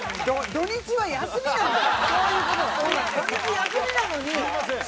土日は休みなのよ。